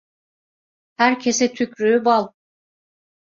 Herkese tükrüğü bal.